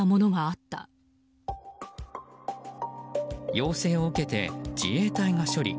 要請を受けて自衛隊が処理。